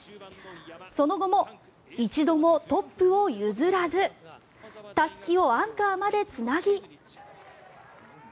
その後も一度もトップを譲らずたすきをアンカーまでつなぎ。